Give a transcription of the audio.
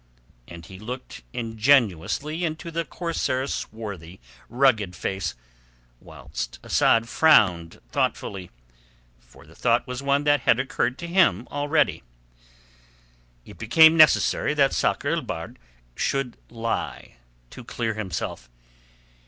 And he looked ingenuously into the corsair's swarthy, rugged face, whilst Asad frowned thoughtfully, for the thought was one that had occurred to him already. It became necessary that Sakr el Bahr should lie to clear himself.